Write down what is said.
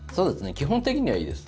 基本的にはいいです。